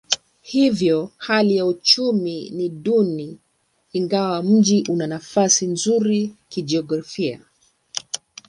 Hivyo hali ya uchumi ni duni ingawa mji una nafasi nzuri kijiografia.